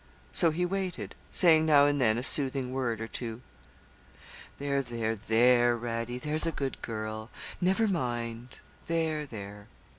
So he waited, saying now and then a soothing word or two. 'There there there, Radie there's a good girl. Never mind there there.'